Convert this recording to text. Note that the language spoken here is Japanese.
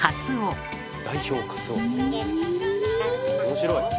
面白い！